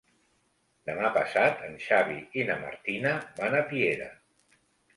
Demà passat en Xavi i na Martina van a Piera.